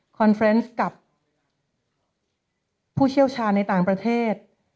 เฟรนซ์กับผู้เชี่ยวชาญในต่างประเทศ